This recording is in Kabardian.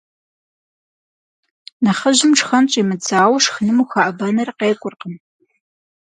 Нэхъыжьым шхэн щӏимыдзауэ шхыным ухэӏэбэныр къеукӏуркъым.